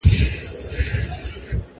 تاسو به د خپل ذهن په مټ ارامي ترلاسه کوئ.